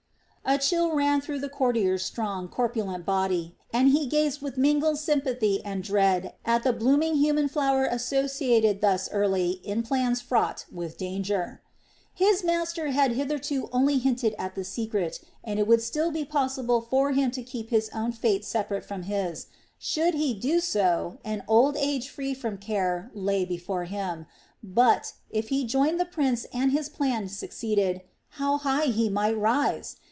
A chill ran through the courtier's strong, corpulent body, and he gazed with mingled sympathy and dread at the blooming human flower associated thus early in plans fraught with danger. His master had hitherto only hinted at the secret, and it would still be possible for him to keep his own fate separate from his. Should he do so, an old age free from care lay before him; but, if he joined the prince and his plan succeeded, how high he might rise!